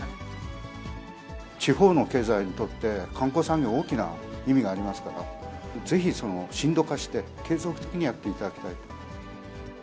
地方の経済にとって、観光産業、大きな意味がありますから、ぜひ深度化して、継続的にやっていただきたいと。